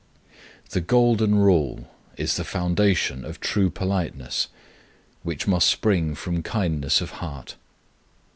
The Golden Rule is the foundation of true politeness, which must spring from kindness of heart.